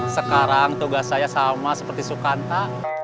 sekarang tugas saya sama seperti sukanta